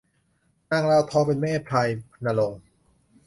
นางลาวทองเป็นแม่พลายณรงค์